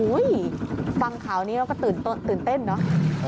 ฟังข่าวนี้เราก็ตื่นเต้นเนอะ